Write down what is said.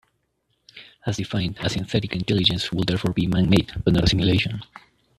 As defined, a "synthetic intelligence" would therefore be man-made, but not a simulation.